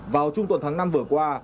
vào trung tuần tháng năm vừa qua